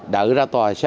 đợi ra tòa sao